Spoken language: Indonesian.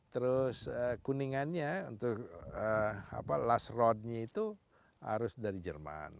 terus kuningannya untuk last rodnya itu harus dari jerman